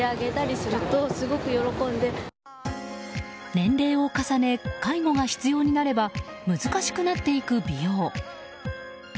年齢を重ね介護が必要になれば難しくなっていく美容。